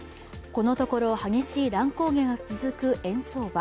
このところ激しい乱高下が続く円相場。